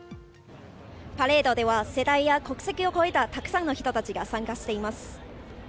パレードでは世代や国籍を超えたたくさんの人たちが参加しています。